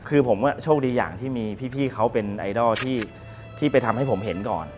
คือผมก็โชคดีอย่างที่มีพี่เขาเป็นไอดอลที่ไปทำให้ผมเห็นก่อน